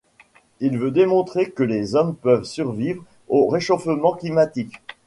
Il veut démontrer que les hommes peuvent survivre au réchauffement climatique.